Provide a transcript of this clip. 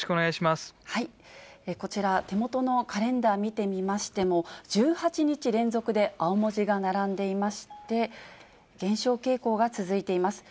こちら、手元のカレンダー見てみましても、１８日連続で青文字が並んでいまして、減少傾向が続いています。